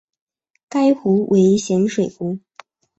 该湖为咸水湖。